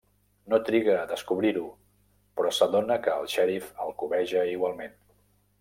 No triga a descobrir-ho, però s'adona que el xèrif el cobeja igualment.